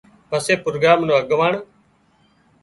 پسي پروگرام نو اڳواڻ